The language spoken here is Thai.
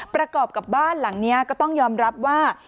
ประกอบกับบ้านหลังนี้ก็ต้องยอมรับว่า